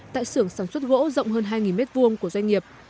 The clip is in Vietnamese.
tại xưởng sản xuất gỗ rộng hơn hai m hai của doanh nghiệp